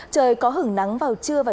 trời có hứng nắng vào trưa và đêm